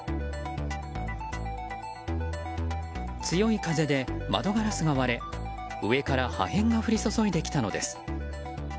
強い風で窓ガラスが割れ上から破片が降り注いできたのです。